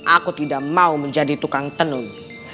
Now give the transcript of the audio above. aku tidak mau menjadi tukang tenun